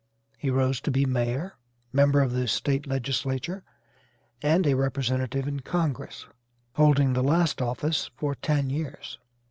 He rose to be mayor, member of the State legislature, and a representative in Congress, holding the last office for ten years.